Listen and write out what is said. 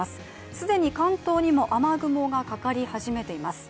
既に関東にも雨雲がかかり始めています。